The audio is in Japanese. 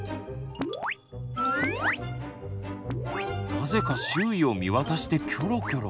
なぜか周囲を見渡してキョロキョロ。